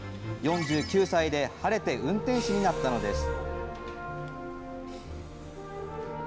４９歳で晴れて、運転士になったのです。